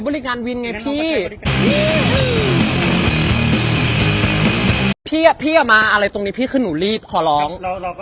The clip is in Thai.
พี่ดังงั้นตอนนี้พี่เครื่องของหนูรีวะขอร้อง